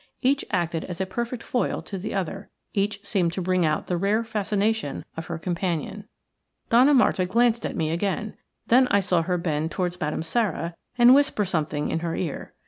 Each acted as a perfect foil to the other, each seemed to bring out the rare fascination of her companion. Donna Marta glanced at me again; then I saw her bend towards Madame Sara and whisper something in her ear.